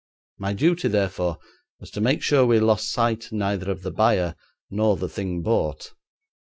My duty, therefore, was to make sure we lost sight neither of the buyer nor the thing bought.